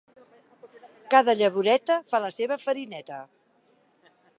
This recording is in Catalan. Cada llavoreta fa la seva farineta.